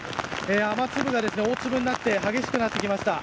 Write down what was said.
雨粒が大粒になって激しくなってきました。